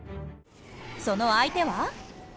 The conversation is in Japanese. その相手は？